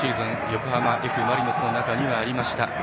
横浜Ｆ・マリノスの中にはありました。